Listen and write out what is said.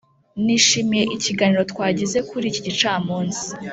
nishimiye ikiganiro twagize kuri iki gicamunsi.